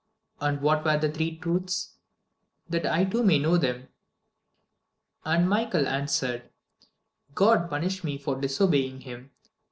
and what were the three truths? that I, too, may know them." And Michael answered: "God punished me for disobeying Him.